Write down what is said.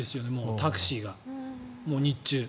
タクシー、日中。